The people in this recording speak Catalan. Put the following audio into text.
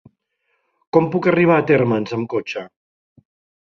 Com puc arribar a Térmens amb cotxe?